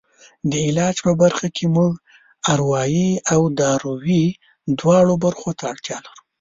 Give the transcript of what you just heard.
د علاج په برخه کې موږ اروایي او دارویي دواړو برخو ته اړتیا لرو.